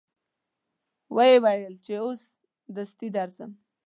و یې ویل چې اوس دستي درځم.